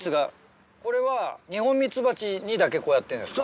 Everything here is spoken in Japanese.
これはニホンミツバチにだけこうやってんですか？